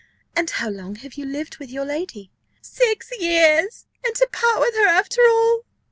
"And how long have you lived with your lady?" "Six years! And to part with her after all!